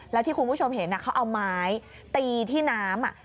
แล้วที่คุณผู้ชมเห็นเขาเอาไม้ตีที่น้ำ